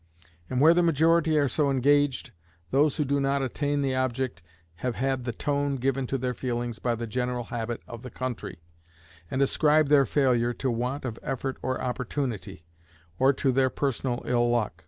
And where the majority are so engaged, those who do not attain the object have had the tone given to their feelings by the general habit of the country, and ascribe their failure to want of effort or opportunity, or to their personal ill luck.